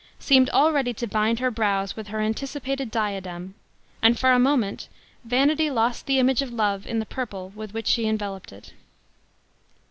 seemed already to bind her brows with her anticipated diadem, and for a moment, vanity lost the image of love in the purple with which she enveloped it.